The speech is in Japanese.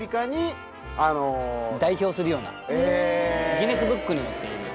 『ギネスブック』に載っている。